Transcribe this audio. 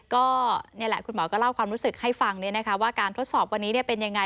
ก็เนี่ยแหละคุณหมอก็เล่าความรู้สึกให้ฟังเนี่ยนะคะว่าการทดสอบวันนี้เนี่ยเป็นยังไง